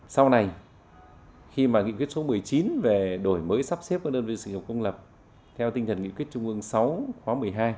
sau này khi mà nghiệp quyết số một mươi chín về đổi mới sắp xếp các đơn vị sự nghiệp công lập theo tinh thần nghiệp quyết trung ương sáu khóa một mươi hai